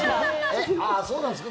そうなんですか。